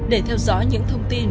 để theo dõi những thông tin